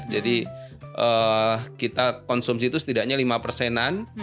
jadi kita konsumsi itu setidaknya lima an